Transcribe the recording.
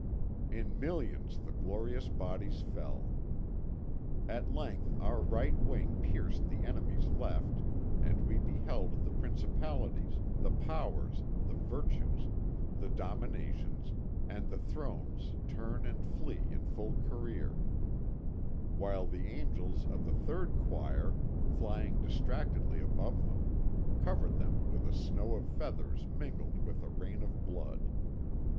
In millions the glorious bodies fell. At length our right wing pierced the enemy's left and we beheld the Principalities, the Powers, the Virtues, the Dominations, and the Thrones turn and flee in full career; while the Angels of the Third Choir, flying distractedly above them, covered them with a snow of feathers mingled with a rain of blood.